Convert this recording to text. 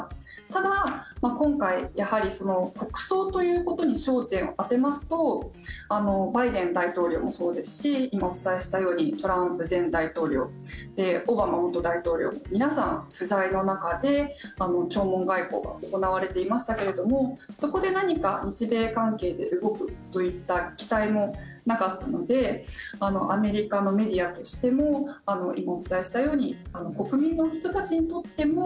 ただ、今回、やはり国葬ということに焦点を当てますとバイデン大統領もそうですし今、お伝えしたようにトランプ前大統領オバマ元大統領皆さん、不在の中で弔問外交が行われていましたけどそこで何か日米関係で動くといった期待もなかったのでアメリカのメディアとしても今、お伝えしたように国民の人たちにとっても